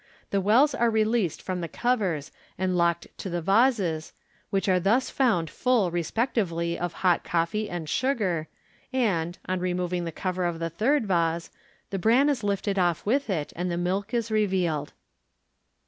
39' the wells are released from the covers and locked to the vases, which are thus found full respectively of hot coffee and sugar, and, on re moving the cover of the third vase, the bran is lifted off with it. und the milk is revealed.